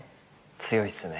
強いっすね。